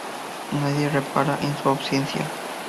Nadie repara en su ausencia.